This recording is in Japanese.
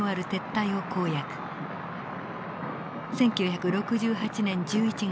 １９６８年１１月。